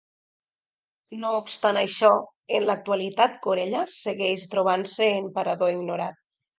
No obstant això, en l'actualitat Corella segueix trobant-se en parador ignorat.